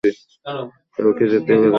তবে কি যেতে হবে দাদা?